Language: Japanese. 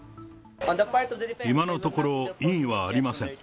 今のところ、異議はありません。